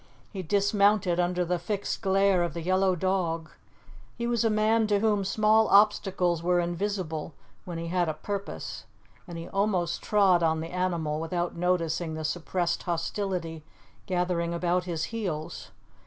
He dismounted under the fixed glare of the yellow dog. He was a man to whom small obstacles were invisible when he had a purpose, and he almost trod on the animal, without noticing the suppressed hostility gathering about his heels.